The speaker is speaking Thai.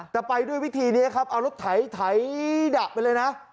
แต่ไปด้วยวิธีนี้ครับเอารถไถดะไปเลยนะ